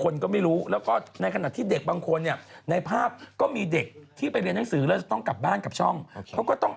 ซึ่งไม่มีที่นั่ง